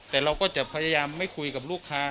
แต่เราก็จะพยายามไม่คุยกับลูกค้า